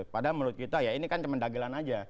padahal menurut kita ya ini kan cuman dagelan aja